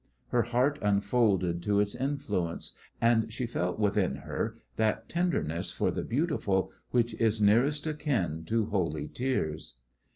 Her heart unfolded to its influence, and she felt within her that tenderness for the beautiful which is nearest akin to holy tears.